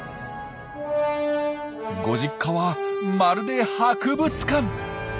ご実家はまるで博物館！